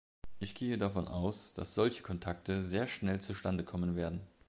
Ich gehe davon aus, dass solche Kontakte sehr schnell zustande kommen werden.